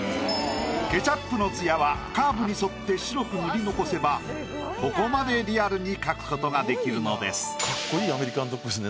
ケチャップのツヤはカーブに沿って白く塗り残せばここまでリアルに描くことができるのです。